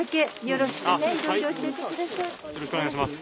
よろしくお願いします。